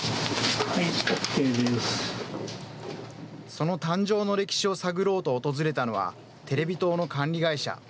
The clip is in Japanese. その誕生の歴史を探ろうと訪れたのは、テレビ塔の管理会社。